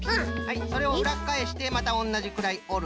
それをうらっかえしてまたおんなじくらいおる。